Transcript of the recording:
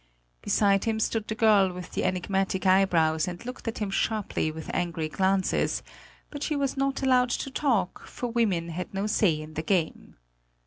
Beside him stood the girl with the enigmatic eyebrows and looked at him sharply with angry glances; but she was not allowed to talk, for women had no say in the game.